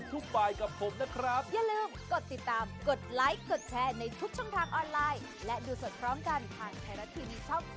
สวัสดีครับ